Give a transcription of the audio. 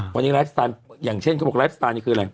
วันนี้ไลฟ์สไตล์อย่างเช่นเขาบอกไลฟ์สไตล์นี่คืออะไร